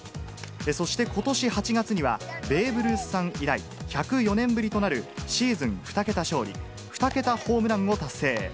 そしてことし８月には、ベーブ・ルースさん以来、１０４年ぶりとなるシーズン２桁勝利、２桁ホームランを達成。